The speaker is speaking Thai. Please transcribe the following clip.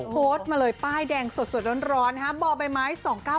โพสต์มาเลยป้ายแดงสดร้อนบ่อใบไม้๒๙๙